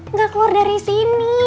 enggak keluar dari sini